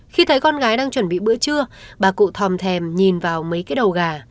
khi thấy con gái đang chuẩn bị bữa trưa bà cụ thòm thèm nhìn vào mấy cái đầu gà